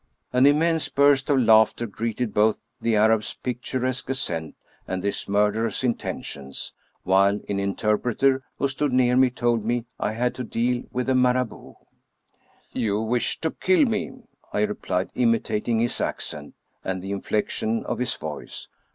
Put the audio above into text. *' An immense burst of laughter greeted both the Arab's picturesque ascent and his murderous intentions, while an interpreter who stood near me told me I had to deal with a Marabout. "You wish to kill me I*' I replied, imitating his accent and the inflection of his voice.